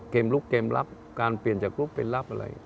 ลุกเกมรับการเปลี่ยนจากกรุ๊ปเป็นลับอะไร